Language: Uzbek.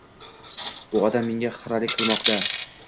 Bu odam menga xiralik qilmoqda.